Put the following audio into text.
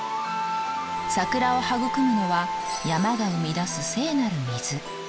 桜を育むのは山が生み出す聖なる水。